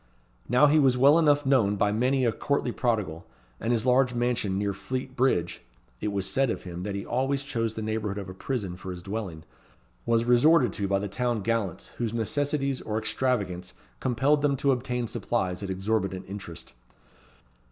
Now he was well enough known by many a courtly prodigal, and his large mansion near Fleet Bridge (it was said of him that he always chose the neigbourhood of a prison for his dwelling) was resorted to by the town gallants whose necessities or extravagance compelled them to obtain supplies at exorbitant interest.